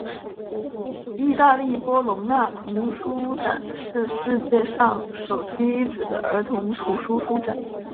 意大利波隆那童书展是世界上首屈一指的儿童图书书展。